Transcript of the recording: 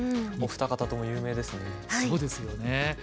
お二方とも有名ですね。